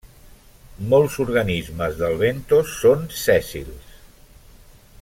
Molts organismes del bentos són sèssils.